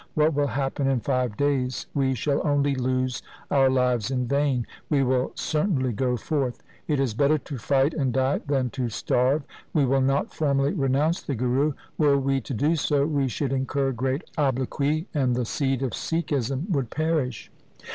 What will happen in five days ? We shall only lose our lives in vain. We will cer tainly go forth. It is better to fight and die than to starve. We will not formally renounce the Guru. Were we to do so, we should incur great obloquy, and the seed of Sikhism would perish.'